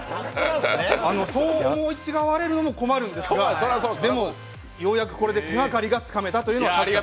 そう思い違われるのも困るんですがでも、ようやくこれで手がかりがつかめたというのは確かです。